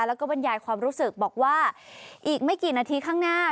แล้วก็บรรยายความรู้สึกบอกว่าอีกไม่กี่นาทีข้างหน้า